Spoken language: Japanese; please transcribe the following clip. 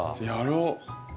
やろう。